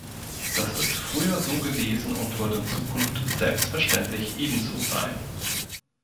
Das ist früher so gewesen und wird in Zukunft selbstverständlich ebenso sein“.